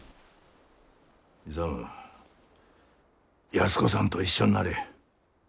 安子さんと一緒んなれ。